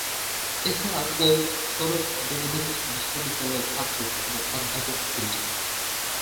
এছাড়াও পোপ ষোড়শ বেনেডিক্ট বিশ্ববিদ্যালয়ের ছাত্র এবং অধ্যাপক ছিলেন।